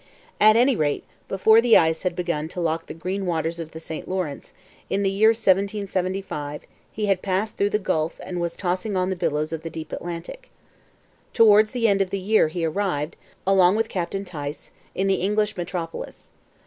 At any rate, before the ice had begun to lock the green waters of the St Lawrence, in the year 1775, he had passed through the Gulf and was tossing on the billows of the deep Atlantic. Towards the end of the year he arrived, along with Captain Tice, in the English metropolis.